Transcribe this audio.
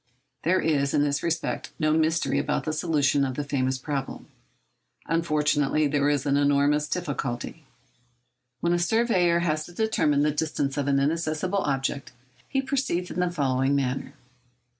There is, in this respect, no mystery about the solution of the famous problem. Unfortunately, there is enormous difficulty. When a surveyor has to determine the distance of an inaccessible object, he proceeds in the following manner.